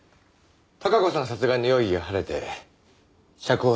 孝子さん殺害の容疑が晴れて釈放されたんです。